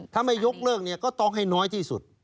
ถ้าไม่ยกเลิกเนี่ยก็ต้องให้น้อยที่สุด